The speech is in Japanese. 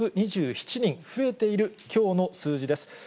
８２７人増えている、きょうの数字です。